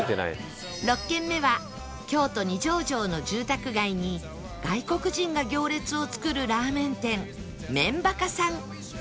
６軒目は京都二条城の住宅街に外国人が行列を作るラーメン店めん馬鹿さん